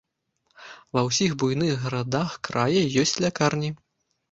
Ва ўсіх буйных гарадах края ёсць лякарні.